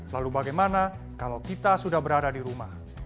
lalu bagaimana kalau kita sudah berada di rumah